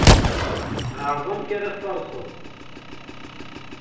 Ԑreḍ amek ara tfarseḍ.